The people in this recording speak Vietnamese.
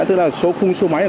tức là số khung số máy